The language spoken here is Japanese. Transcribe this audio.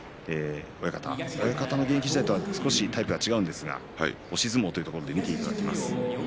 親方の現役時代とは少しタイプが違うんですが押し相撲というところで見ていただきます。